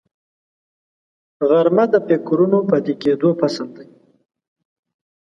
غرمه د فکرونو پاکېدو فصل دی